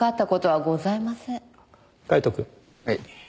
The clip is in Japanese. はい。